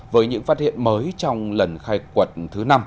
với những phát hiện mới trong lần khai quật thứ năm